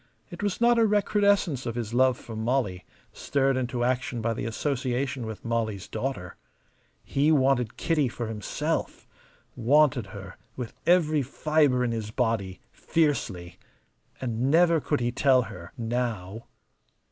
It was not a recrudescence of his love for Molly, stirred into action by the association with Molly's daughter. He wanted Kitty for himself, wanted her with every fibre in his body, fiercely. And never could he tell her now.